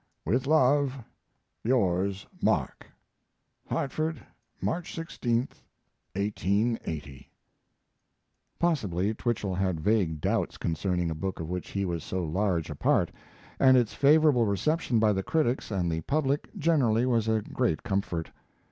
With love, Yours, MARK. Hartford, March 16, 1880. Possibly Twichell had vague doubts concerning a book of which he was so large a part, and its favorable reception by the critics and the public generally was a great comfort.